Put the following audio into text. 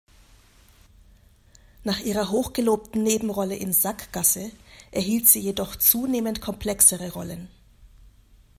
Nach ihrer hochgelobten Nebenrolle in "Sackgasse" erhielt sie jedoch zunehmend komplexere Rollen.